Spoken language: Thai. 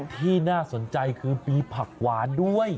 ที่น่าสนใจคือมีผักหวานด้วย